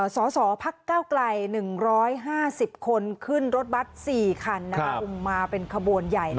สอสอภักดิ์ก้าวกล่าย๑๕๐คนขึ้นรถบัตร๔คันอุ่งมาเป็นขบวนใหญ่